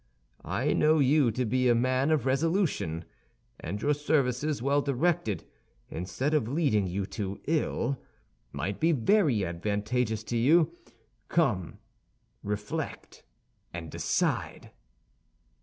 I know you to be a man of resolution; and your services, well directed, instead of leading you to ill, might be very advantageous to you. Come; reflect, and decide."